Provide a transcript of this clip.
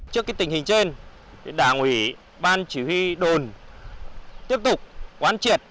trước cái tình hình trên đảng ủy ban chỉ huy đồn tiếp tục quan triệt